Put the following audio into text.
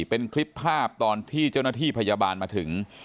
เป็นคลิปภาพตอนที่เจ้าหน้าที่พยาบาลมาถึง